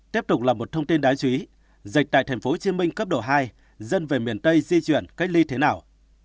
tiếp tục là một thông tin đáng chú ý dịch tại tp hcm cấp độ hai dân về miền tây di chuyển cách ly thế nào